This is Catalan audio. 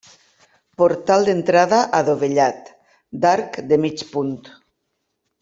Portal d'entrada adovellat, d'arc de mig punt.